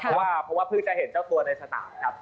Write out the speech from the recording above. เพราะว่าเพราะว่าเพิ่งจะเห็นเจ้าตัวในสนามครับ